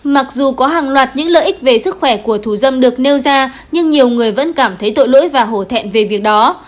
mặc dù có hàng loạt những lợi ích về sức khỏe của thủ dâm được nêu ra nhưng nhiều người vẫn cảm thấy tội lỗi và hổ thẹn về việc đó